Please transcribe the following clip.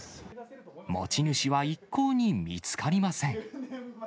持ち主はいっこうに見つかりません。